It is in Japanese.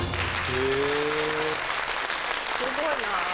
すごいな。